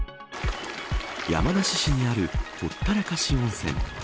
山梨市にあるほったらかし温泉。